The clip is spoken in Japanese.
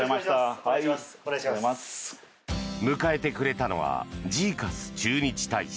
迎えてくれたのはジーカス駐日大使。